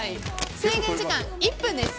制限時間は１分です。